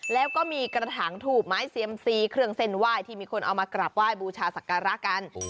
แล้วก็มีกระถางถูกไม้เซียมซีเครื่องเส้นไหว้ที่มีคนเอามากราบไหว้บูชาศักระกัน